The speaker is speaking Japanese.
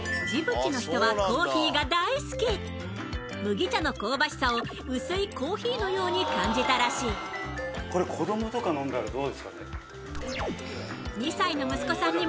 麦茶の香ばしさを薄いコーヒーのように感じたらしいノー！